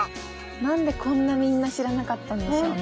何でこんなみんな知らなかったんでしょうね。